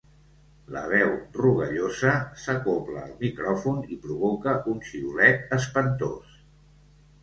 La veu, rogallosa, s'acobla al micròfon i provoca un xiulet espantós.